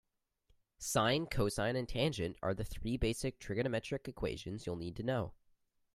Sine, cosine and tangent are three basic trigonometric equations you'll need to know.